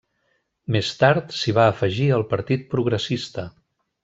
Més tard, s'hi va afegir el Partit Progressista.